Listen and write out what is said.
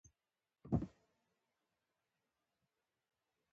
بولۍ قوماندې او عناوین په پښتو کړل.